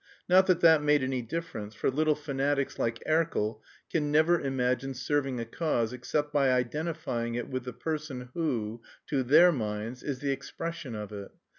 Not that that made any difference, for little fanatics like Erkel can never imagine serving a cause except by identifying it with the person who, to their minds, is the expression of it.